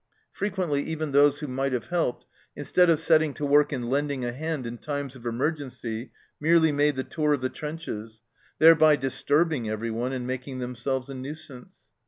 Frequently even those who might have helped, in stead of setting to work and lending a hand in times of emergency, merely made the tour of the trenches, thereby disturbing everyone and making themselves a nuisance.